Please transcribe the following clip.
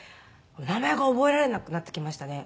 名前が覚えられなくなってきましたね。